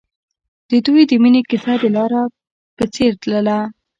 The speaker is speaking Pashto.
د دوی د مینې کیسه د لاره په څېر تلله.